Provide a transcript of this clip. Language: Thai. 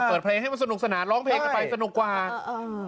เปิดเพลงให้มันสนุกสนานร้องเพลงกันไปสนุกกว่าเออ